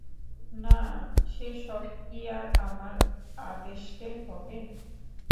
নাঃ, সে সব কি আর আমার আদেষ্টে হবে?